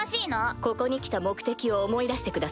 ここに来た目的を思い出してください。